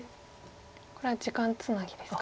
これは時間つなぎですか。